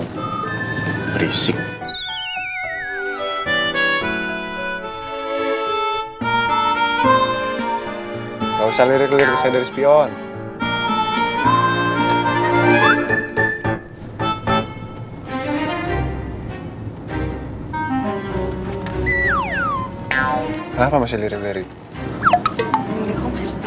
nih pa mohdo kek